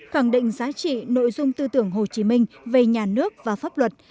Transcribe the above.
khẳng định giá trị nội dung tư tưởng hồ chí minh về nhà nước và pháp luật